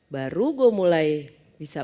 baru gue mulai bisa